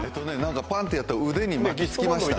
パンってやったら腕に巻きつきましたね。